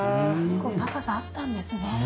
高さあったんですね。